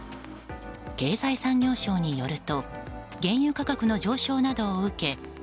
経済産業省によると原油価格の上昇などを受け